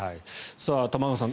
玉川さん